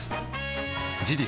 事実